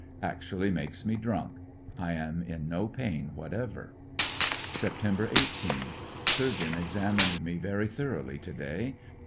Actually makes me drunk. I am in no pain whatever. Sept. 18. — Surgeon examined me very thoroughly to day.